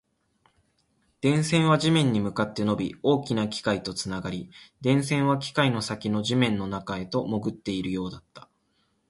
電線は地面に向かって伸び、大きな機械とつながり、電線は機械の先の地面の中へと潜っているようだった